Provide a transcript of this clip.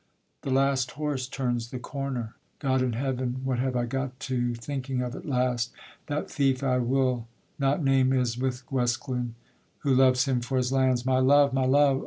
The last horse turns the corner. God in Heaven! What have I got to thinking of at last! That thief I will not name is with Guesclin, Who loves him for his lands. My love! my love!